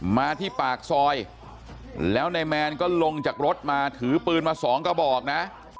มาที่ปากซอยแล้วนายแมนก็ลงจากรถมาถือปืนมาสองกระบอกนะ